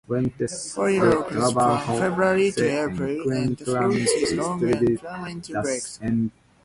Flowering occurs from February to April and the fruit is long and prominently beaked.